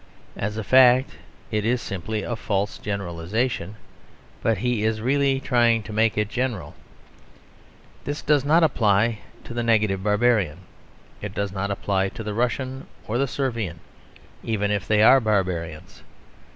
As a fact it is simply a false generalisation; but he is really trying to make it general. This does not apply to the Negative Barbarian: it does not apply to the Russian or the Servian, even if they are barbarians.